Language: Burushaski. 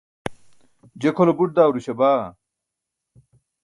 je kʰole buṭ dawruśa baa